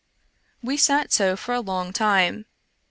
We sat so for a long time.